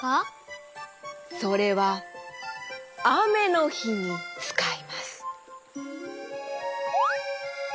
それはあめのひにつかいます。